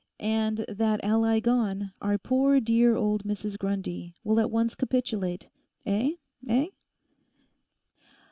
And that ally gone, our poor dear old Mrs Grundy will at once capitulate. Eh? Eh?